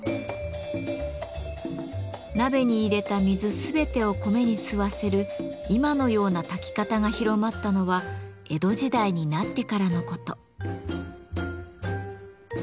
鍋に入れた水全てを米に吸わせる今のような炊き方が広まったのは江戸時代になってからのこと。